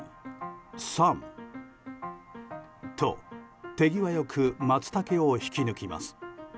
１、２、３。と、手際よくマツタケを引き抜きます。